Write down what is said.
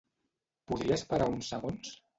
Podries parar uns segons?